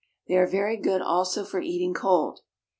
They are very good also for eating cold.